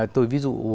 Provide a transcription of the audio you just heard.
tôi ví dụ